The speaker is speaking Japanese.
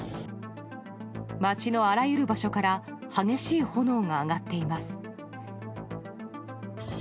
街のあらゆる場所から激しい炎が上がっています。